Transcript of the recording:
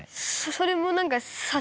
それも何か。